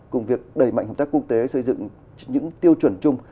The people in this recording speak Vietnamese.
cùng việc đẩy mạnh hợp tác quốc tế xây dựng những tiêu chuẩn chung